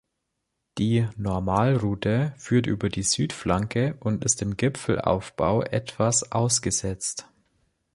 Die Normalroute führt über die Südflanke und ist im Gipfelaufbau etwas ausgesetzt.